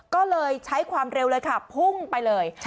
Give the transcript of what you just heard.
ก็เลยใช้ความเร็วเลยค่ะพุ่งไปเลย